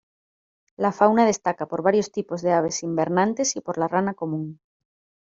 La fauna destaca por varios tipos de aves invernantes y por la rana común.